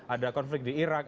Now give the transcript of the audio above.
ada konflik di iraq